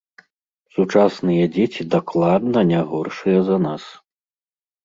Сучасныя дзеці дакладна не горшыя за нас.